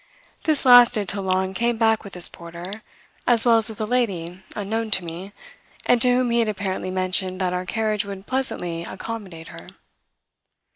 This lasted till Long came back with his porter, as well as with a lady unknown to me and to whom he had apparently mentioned that our carriage would pleasantly accommodate her.